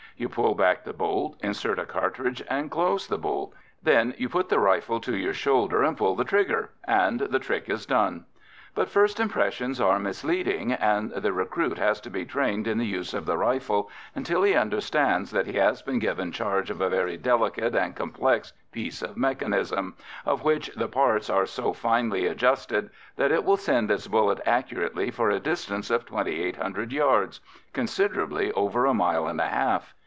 You pull back the bolt, insert a cartridge, and close the bolt. Then you put the rifle to your shoulder and pull the trigger and the trick is done. But first impressions are misleading, and the recruit has to be trained in the use of the rifle until he understands that he has been given charge of a very delicate and complex piece of mechanism, of which the parts are so finely adjusted that it will send its bullet accurately for a distance of 2800 yards considerably over a mile and a half.